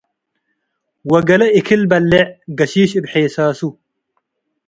ወገሌ እክል በሌዕ - ገሺሽ እብ ሔሳሱ፣